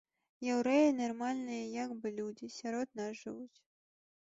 Яўрэі нармальныя як бы людзі, сярод нас жывуць.